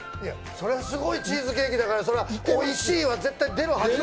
それはすごいチーズケーキだから、おいしいは絶対出るはず。